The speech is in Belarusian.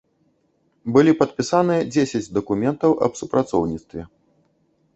Былі падпісаныя дзесяць дакументаў аб супрацоўніцтве.